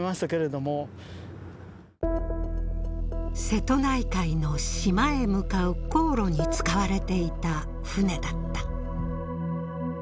瀬戸内海の島へ向かう航路に使われていた船だった。